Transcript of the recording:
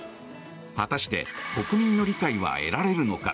果たして、国民の理解は得られるのだろうか。